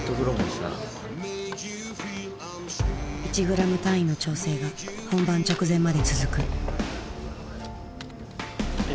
１グラム単位の調整が本番直前まで続く。